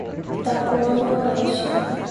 Itapuã do Oeste